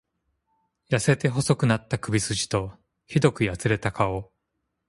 痩せて細くなった首すじと、酷くやつれた顔。